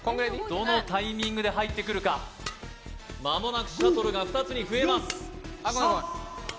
どのタイミングで入ってくるか間もなくシャトルが２つに増えます